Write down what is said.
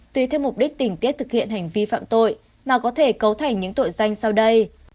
tùy theo mục đích tình tiết thực hiện hành vi phạm tội mà có thể cấu thành những tội danh sau đây